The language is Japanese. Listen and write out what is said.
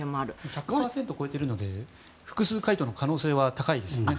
１００％を超えてるので複数回答の可能性は高いですよね。